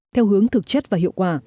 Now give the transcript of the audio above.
theo hướng thực chất và hiệu quả